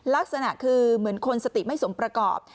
ลักษณะคือเหมือนคนสติไม่สมประกอบ